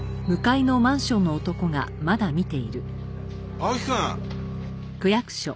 青木くん！